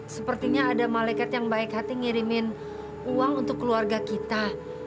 sepertinya ada malaikat yang baik hati ngirimin uang untuk keluarga kita